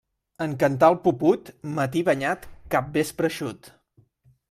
En cantar el puput, matí banyat, capvespre eixut.